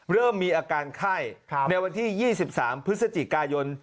เริ่มมีอาการไข้ในวันที่๒๓พฤศจิกายน